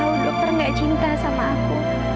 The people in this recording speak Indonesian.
aku tahu dokter gak cinta sama aku